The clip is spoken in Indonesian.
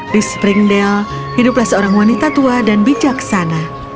di springdale hiduplah seorang wanita tua dan bijaksana